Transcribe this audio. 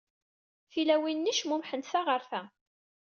Tilawin-nni cmumḥent ta ɣer ta.